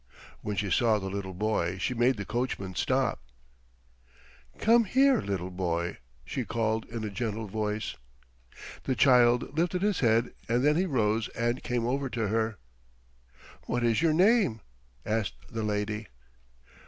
When she saw the little boy she made the coachman stop. "Come here, little boy," she called in a gentle voice. The child lifted his head, and then he rose and came over to her. "What is your name?" asked the lady.